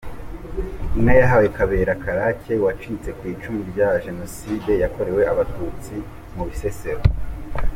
Inka yahawe Kabera Karake wacitse ku icumu rya jenosede yakorewe Abatutsi mu Bisesero.